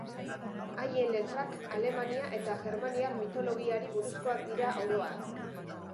Haien letrak Alemania eta germaniar mitologiari buruzkoak dira oro har.